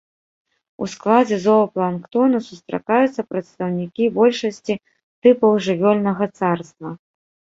У складзе зоапланктону сустракаюцца прадстаўнікі большасці тыпаў жывёльнага царства.